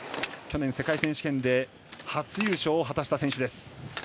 去年、世界選手権で初優勝を果たした選手です。